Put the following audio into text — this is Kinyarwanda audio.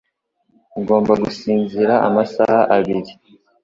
Ugomba gusinzira amasaha abiri.